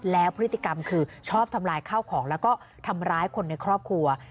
แล้วพฤติกรรมคือชอบทำลายข้าวของแล้วก็ทำร้ายคนในครอบครัว